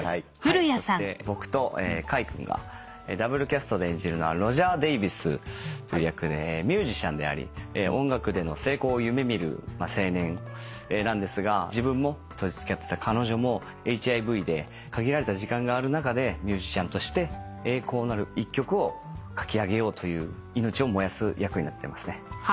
そして僕と甲斐君がダブルキャストで演じるのはロジャー・デイヴィスという役でミュージシャンであり音楽での成功を夢見る青年なんですが自分も当時付き合ってた彼女もＨＩＶで限られた時間がある中でミュージシャンとして栄光なる１曲を書き上げようという命を燃やす役になってますね。